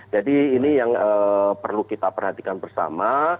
jadi ini yang perlu kita perhatikan bersama